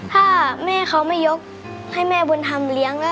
ถ้าแม่เขาไม่ยกให้แม่บุญธรรมเลี้ยงแล้ว